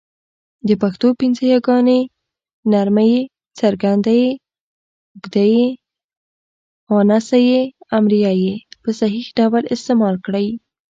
د پښتو پنځه یاګاني ی، ي، ې، ۍ، ئ په صحيح ډول استعمال کړئ!